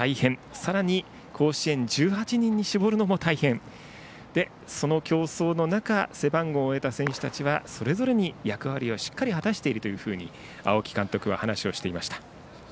さらに甲子園１８人に絞るのも大変で、その競争の中背番号を得た選手たちはそれぞれの役割をしっかり果たしていると青木監督は話をしていました。